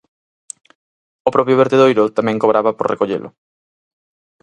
O propio vertedoiro tamén cobraba por recollelo.